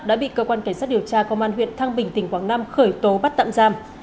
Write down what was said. đã bị cơ quan cảnh sát điều tra công an huyện thăng bình tỉnh quảng nam khởi tố bắt tạm giam